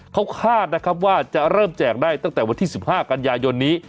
เขาคาดนะครับว่าจะเริ่มแจกได้ตั้งแต่วันที่๑๕กันยายนนี้